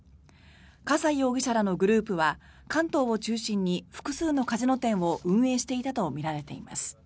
葛西容疑者らのグループは関東を中心に複数のカジノ店を運営していたとみられています。